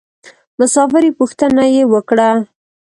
مسافر یې پوښتنه یې وکړه.